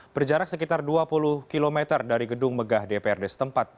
berjarak sekitar dua puluh km dari gedung megah dprd setempat